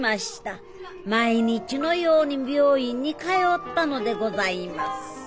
毎日のように病院に通ったのでございます。